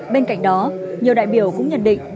bên cạnh đó nhiều đại biểu cũng nhận định